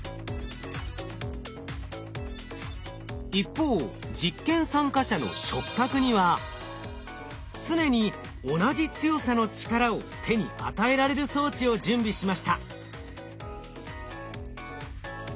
一方実験参加者の触覚には常に同じ強さの力を手に与えられる装置を準備しました。